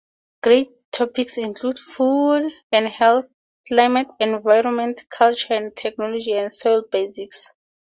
News topics include: Food and Health, Climate, Environment, Culture and Technology, and Soil Basics.